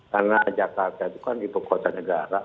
karena jakarta itu kan ibu kota negara